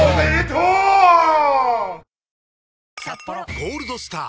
「ゴールドスター」！